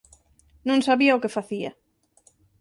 Non sabía o que facía.